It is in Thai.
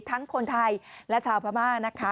คนไทยและชาวพม่านะคะ